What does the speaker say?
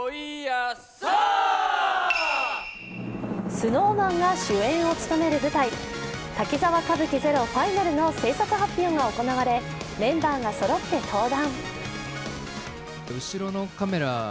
ＳｎｏｗＭａｎが主演を務める舞台「滝沢歌舞伎ＺＥＲＯＦＩＮＡＬ」の製作発表が行われメンバーがそろって登壇。